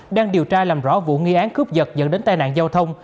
đang điều tra làm rõ vụ nghi án cướp giật dẫn đến tai nạn giao thông